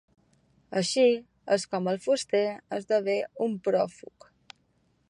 Així és com el fuster esdevé un pròfug.